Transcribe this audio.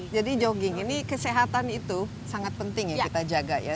jadi jogging ini kesehatan itu sangat penting ya kita jaga ya